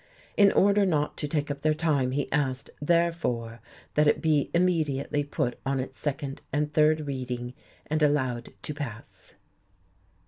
In order not to take up their time he asked: therefore, that it be immediately put on its second and third reading and allowed to pass.